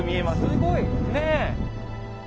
すごい！ねえ！